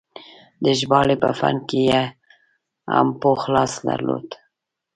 د ژباړې په فن کې یې هم پوخ لاس درلود.